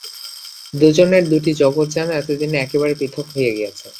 দুজনের দুটি জগৎ যেন এতদিনে একেবারে পৃথক হইয়া গিয়াছে।